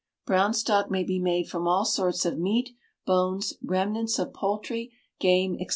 Brown stock may be made from all sorts of meat, bones, remnants of poultry, game, &c.